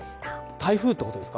台風ってことですか？